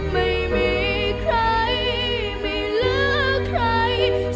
ไม่มีใครไม่เลือกใคร